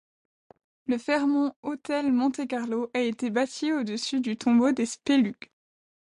Le Fairmont Hotel Monte Carlo a été bâti au-dessus du tombant des Spélugues.